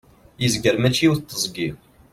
yezger mačči yiwet teẓgi